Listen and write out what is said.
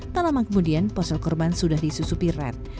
tak lama kemudian ponsel korban sudah disusupi red